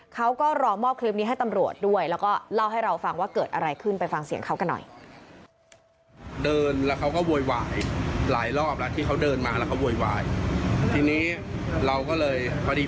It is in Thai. เขาก็รอมอบคลิปนี้ให้ตำรวจด้วยแล้วก็เล่าให้เราฟังว่าเกิดอะไรขึ้นไปฟังเสียงเขากันหน่อย